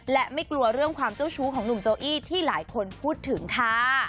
และไม่กลัวเรื่องความเจ้าชู้ของหนุ่มโจอี้ที่หลายคนพูดถึงค่ะ